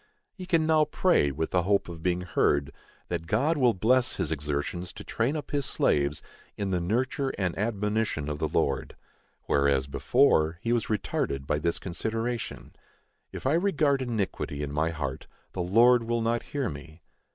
He can now pray, with the hope of being heard, that God will bless his exertions to train up his slaves "in the nurture and admonition of the Lord:" whereas, before, he was retarded by this consideration,—"If I regard iniquity in my heart, the Lord will not hear me."